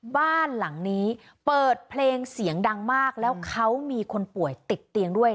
บ้านหลังนี้เปิดเพลงเสียงดังมากแล้วเขามีคนป่วยติดเตียงด้วย